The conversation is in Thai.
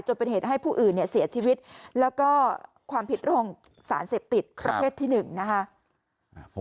เป็นเหตุให้ผู้อื่นเนี่ยเสียชีวิตแล้วก็ความผิดเรื่องของสารเสพติดประเภทที่๑นะคะ